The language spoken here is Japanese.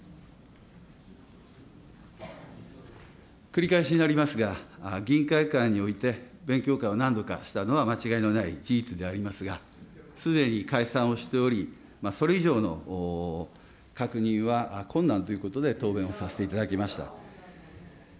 繰り返しになりますが、議員会館において勉強会を何度かしたのは間違いのない事実でありますが、すでに解散をしており、それ以上の確認は困難ということで答弁をさせていただきました。